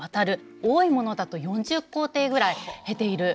多いものだと４０工程ぐらい経ているそうなんですね。